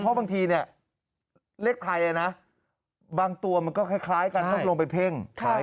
เพราะบางทีเนี่ยเลขไทยนะบางตัวมันก็คล้ายกันต้องลงไปเพ่ง